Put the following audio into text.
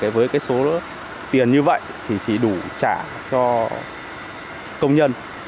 với số tiền như vậy thì chỉ đủ trả cho công nhân